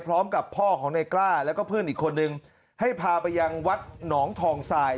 พร้อมกับพ่อของในกล้าแล้วก็เพื่อนอีกคนนึงให้พาไปยังวัดหนองทองสาย